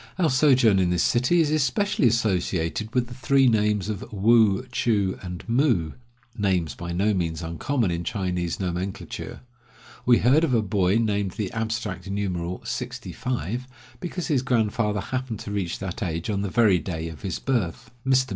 Our sojourn in this city is especially associated with the three names of Woo, Choo, and Moo — names by no means uncommon in Chinese nomenclature. We heard of a boy named the abstract numeral, "sixty five," because his grandfather happened to reach that age on the very day of his birth. Mr.